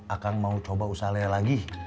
akang mau coba usaha leher lagi